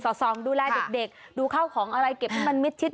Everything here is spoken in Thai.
ส่องดูแลเด็กดูข้าวของอะไรเก็บให้มันมิดชิด